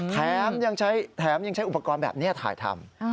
แถมยังใช้อุปกรณ์แบบนี้ถ่ายทำ